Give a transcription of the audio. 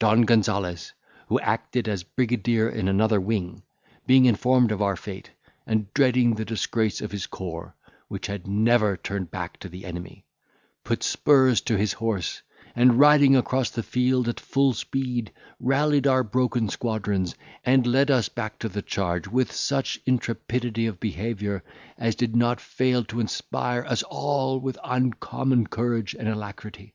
Don Gonzales, who acted as brigadier in another wing, being informed of our fate, and dreading the disgrace of his corps, which had never turned back to the enemy, put spurs to his horse, and, riding across the field at full speed, rallied our broken squadrons, and led us back to the charge with such intrepidity of behaviour, as did not fail to inspire us all with uncommon courage and alacrity.